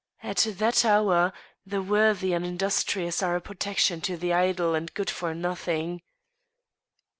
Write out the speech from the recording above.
At that hour the worthy and" industrious are a protection to the idle and good for nothing.